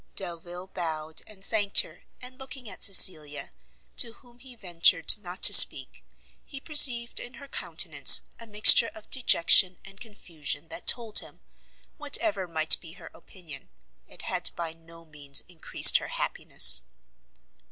Delvile bowed and thanked her; and looking at Cecilia, to whom he ventured not to speak, he perceived in her countenance a mixture of dejection and confusion, that told him whatever might be her opinion, it had by no means encreased her happiness.